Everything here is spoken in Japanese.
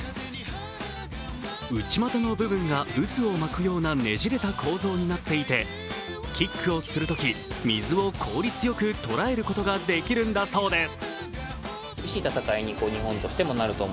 内股の部分が渦を巻くようなねじれた構造になっていてキックをするとき水を効率よく捉えることができるんだそうです。